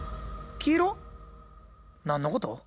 何のこと？